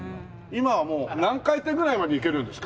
今はもう何回転ぐらいまでいけるんですか？